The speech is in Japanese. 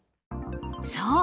そう。